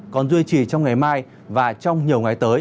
còn duy trì trong ngày mai và trong nhiều ngày tới